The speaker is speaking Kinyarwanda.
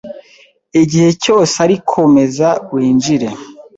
Igihe cyose ari komeza winjire